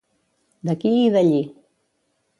D'aquí i d'allí.